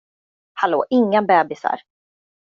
Hallå, inga bebisar!